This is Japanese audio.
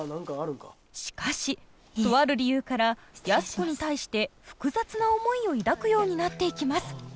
しかしとある理由から安子に対して複雑な思いを抱くようになっていきます。